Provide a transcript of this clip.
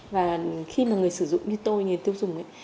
và khi mà người sử dụng như tôi người tiêu dùng ấy